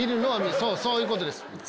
そういうことです。